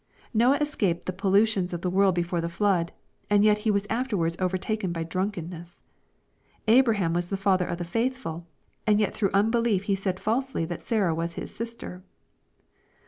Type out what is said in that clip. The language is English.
Noah escaped the pol lutions of the world before the flood ; and yet he was af terwards overtaken by drunkenness. — Abraham was the father of the faithful ; and yet through unbelief lie said falsely that Sarah was his sister.